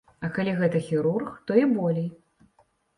А калі гэта хірург, то і болей.